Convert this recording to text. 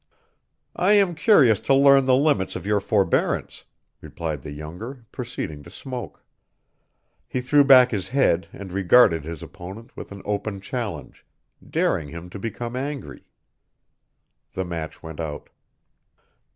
"I am curious to learn the limits of your forbearance," replied the younger, proceeding to smoke. He threw back his head and regarded his opponent with an open challenge, daring him to become angry. The match went out.